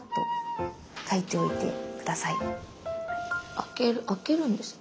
あけるあけるんですね。